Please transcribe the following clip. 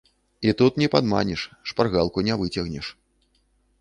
І тут не падманеш, шпаргалку не выцягнеш.